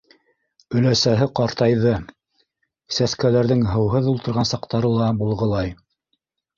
Өләсәһе ҡартайҙы, сәскәләрҙең һыуһыҙ ултырған саҡтары ла булғылай.